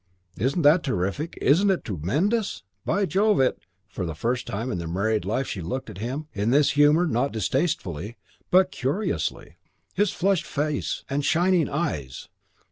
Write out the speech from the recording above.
"Isn't that terrific? Isn't it tremendous? By Jove, it " For the first time in her married life she looked at him, in this humour, not distastefully but curiously. His flushed face and shining eyes!